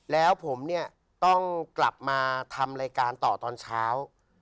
แล้วผมเนี่ยต้องกลับมาทำรายการต่อตอนเช้า